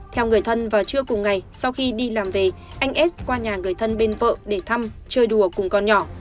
theo người thân vào trưa cùng ngày sau khi đi làm về anh s qua nhà người thân bên vợ để thăm chơi đùa cùng con nhỏ